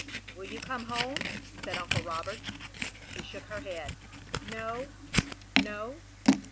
"Will you come home?" said Uncle Roberts. She shook her head. "No, no.